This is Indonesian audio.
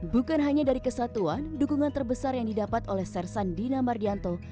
bukan hanya dari kesatuan dukungan terbesar yang didapat oleh sersan dina mardianto